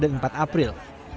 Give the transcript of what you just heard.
tiga dan empat april